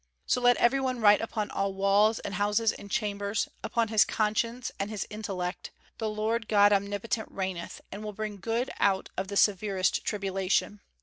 So let every one write upon all walls and houses and chambers, upon his conscience and his intellect, "The Lord God Omnipotent reigneth, and will bring good out of the severest tribulation!"